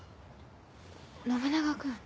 信長君。